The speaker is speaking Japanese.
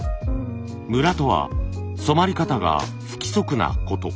むらとは染まり方が不規則なこと。